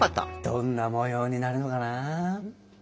どんな模様になるのかな？